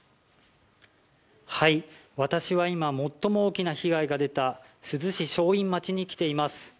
私は今、最も大きな被害が出た珠洲市正院町に来ています。